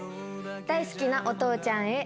大好きなお父ちゃんへ。